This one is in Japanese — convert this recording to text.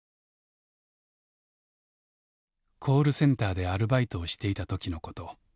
コールセンターでアルバイトをしていた時のこと。